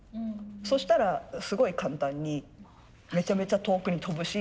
そしたらすごい簡単にめちゃめちゃ遠くに飛ぶし。